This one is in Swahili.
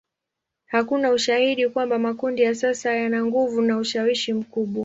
Hakuna ushahidi kwamba makundi ya sasa yana nguvu au ushawishi mkubwa.